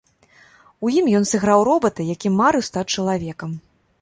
У ім ён сыграў робата, які марыў стаць чалавекам.